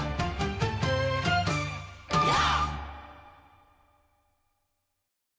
「や！！！！」